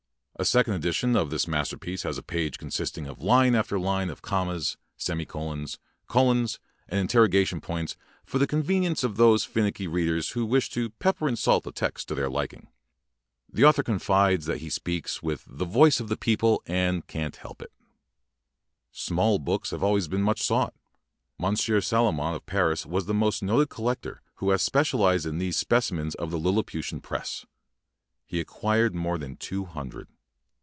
A sec ond edition of this masterpiece has a page consisting of line after line of commas, semicolons, colons, and inter rogation points for the convenience of those finicky readers who wish to "peper and solt" the text to their lik ing. The author confides that he speaks with "the voise of the peopel and cant Help it". Small books have always been much sought. Monsieur Salomon of Paris was the most noted collector who has specialized in these specimens of the Lilliputian press. He acquired more than two hundred.